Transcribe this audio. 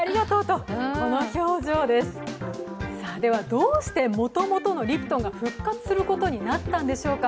どうしてもともとのリプトンが復活することになったんでしょうか。